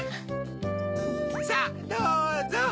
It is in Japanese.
さぁどうぞ！